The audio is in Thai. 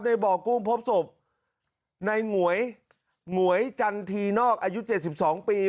บ่อกุ้งพบศพในหมวยหงวยจันทีนอกอายุ๗๒ปี